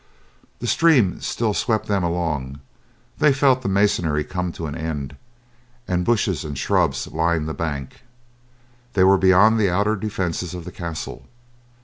The stream still swept them along, they felt the masonry come to an end, and bushes and shrubs lined the bank. They were beyond the outer defences of the castle.